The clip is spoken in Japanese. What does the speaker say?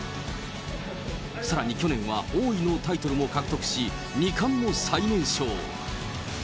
さらに去年は王位のタイトルも獲得し、二冠も最年少。